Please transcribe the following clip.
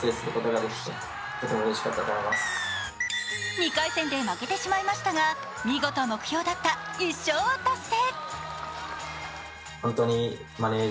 ２回戦で負けてしまいましたが見事、目標だった１勝を達成。